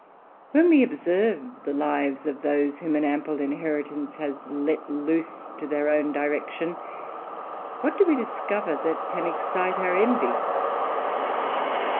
When we observe the lives of those whom an ar inheritance has let loose to their own direction, what d( discover that can excite our envy